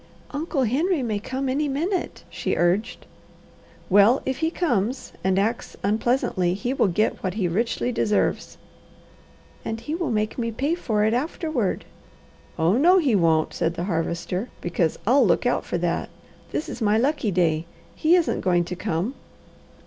"Uncle Henry may come any minute," she urged. "Well if he comes and acts unpleasantly, he will get what he richly deserves." "And he will make me pay for it afterward." "Oh no he won't!" said the Harvester, "because I'll look out for that. This is my lucky day. He isn't going to come."